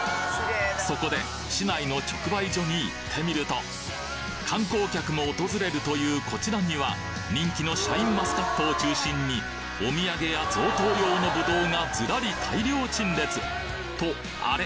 そこで市内の直売所に行ってみると観光客も訪れるというこちらには人気のシャインマスカットを中心にお土産や贈答用のぶどうがズラリ大量陳列とあれ？